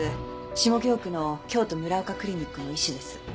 下京区の京都ＭＵＲＡＯＫＡクリニックの医師です。